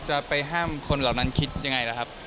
จะไปห้ามคนเหล่านั้นคิดยังไงล่ะครับ